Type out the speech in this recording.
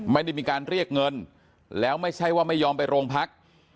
ไม่ได้มีการเรียกเงินแล้วไม่ใช่ว่าไม่ยอมไปโรงพัก